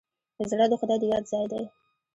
زړه د خدای د یاد ځای دی.